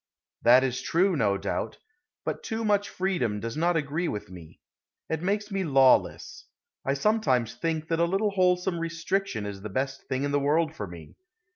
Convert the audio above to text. That is true, no doubt; but too much freedom does not agree with me. It makes me lawless. I sometimes think that a little wholesome restriction is the best thing in the world for me.